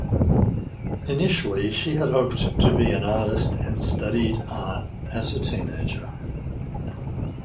Initially, she had hoped to be an artist and studied art as a teenager.